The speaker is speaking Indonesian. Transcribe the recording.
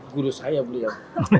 guru saya beliau